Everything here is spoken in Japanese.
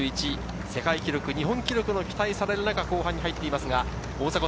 世界記録、日本記録も期待される中、後半に入っています。